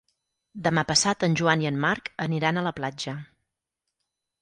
Demà passat en Joan i en Marc aniran a la platja.